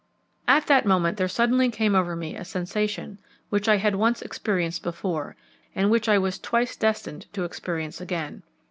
At that moment there suddenly came over me a sensation which I had once experienced before, and which I was twice destined to experience again.